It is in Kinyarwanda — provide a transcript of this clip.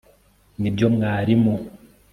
Nibyo mwarimu